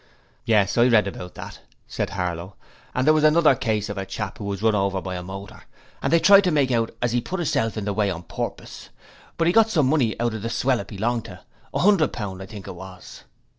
'Yes, I read about that,' said Harlow, 'and there was another case of a chap who was run over by a motor, and they tried to make out as 'e put 'isself in the way on purpose; but 'e got some money out of the swell it belonged to; a 'undered pound I think it was.'